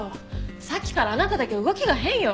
さっきからあなただけ動きが変よ。